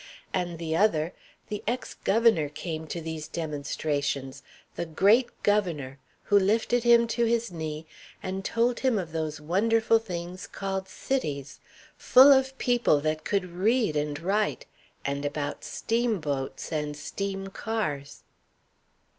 And the other, the ex governor came to these demonstrations the great governor! who lifted him to his knee and told him of those wonderful things called cities, full of people that could read and write; and about steamboats and steam cars.